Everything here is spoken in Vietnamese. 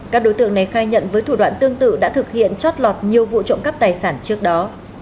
các đối tượng này khai nhận với thủ đoạn tương tự đã thực hiện chót lọt nhiều vụ trộm cắp tài sản trước đó